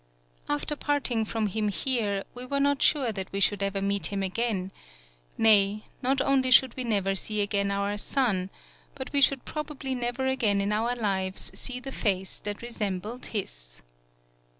After parting from him here, we were not sure that we should ever meet him again; nay, not only should we never see again our son, but we should probably never again in 153 PAULOWNIA our lives see the face that resembled his.